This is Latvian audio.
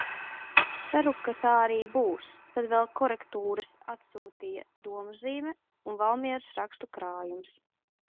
Ceru, ka tā arī būs. Tad vēl korektūras atsūtīja "Domuzīme" un Valmieras rakstu krājumus.